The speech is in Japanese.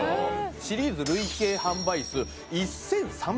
シリーズ累計販売数１３００万枚突破と。